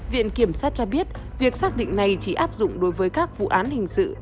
viện kiểm sát cho biết việc xác định này chỉ áp dụng đối với các vụ án hình sự